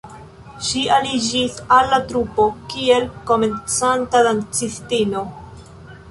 Ŝi aliĝis al la trupo, kiel komencanta dancistino.